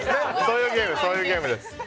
そういうゲームです。